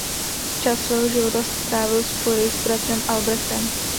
Část svého života strávil spory s bratrem Albrechtem.